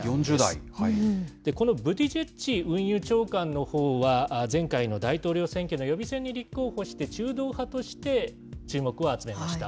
このブティジェッジ運輸長官のほうは、前回の大統領選挙の予備選に立候補して中道派として注目を集めました。